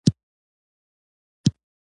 د تورو زلفو له ښامار سره مي نه لګیږي